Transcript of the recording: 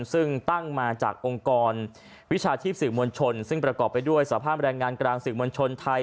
ซึ่งตั้งมาจากองค์กรวิชาชีพสื่อมวลชนซึ่งประกอบไปด้วยสภาพแรงงานกลางสื่อมวลชนไทย